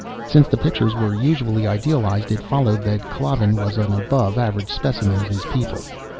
Since the pictures were usually idealized, it followed that Klavan was an above average specimen of his people.